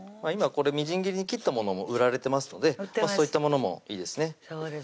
今これみじん切りに切ったものも売られてますのでそういったものもいいですね